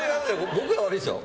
僕が悪いですよ